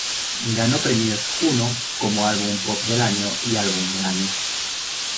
Ganó Premios Juno como Álbum Pop del Año y Álbum del Año.